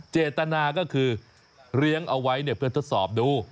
เจตนาก็คือเลี้ยงเอาไว้เพื่อทดสอบดู